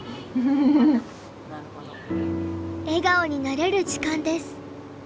笑顔になれる時間です。